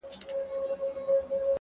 جانه ياره بس کړه ورله ورسه